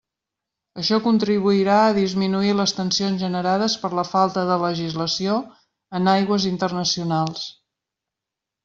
Això contribuirà a disminuir les tensions generades per la falta de legislació en aigües internacionals.